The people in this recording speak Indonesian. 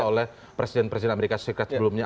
oleh presiden presiden amerika serikat sebelumnya